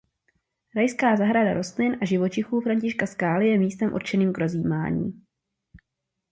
Rajská zahrada rostlin a živočichů Františka Skály je místem určeným k rozjímání.